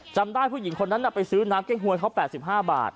จำได้ผู้หญิงคนนั้นไปซื้อน้ำเก้งหวยเขา๘๕บาท